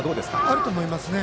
あると思いますね。